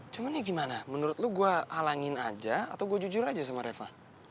cuman ya gimana menurut lo gue halangin aja atau gue jujur aja sama reva